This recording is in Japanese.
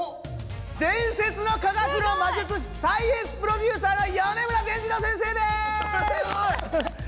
伝説の科学の魔術師サイエンスプロデューサーの米村でんじろう先生です！